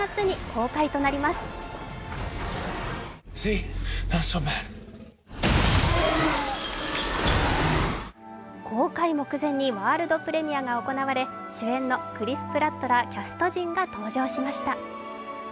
公開目前にワールドプレミアが行われ主演のクリス・プラットらキャスト陣が登場しました。